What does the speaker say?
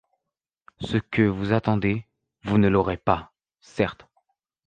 Ce que, vous attendez, vous ne l'aurez pas, certe ;